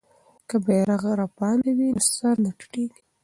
که بیرغ رپاند وي نو سر نه ټیټیږي.